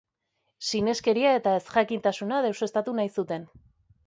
Sineskeria eta ezjakintasuna deuseztatu nahi zuten.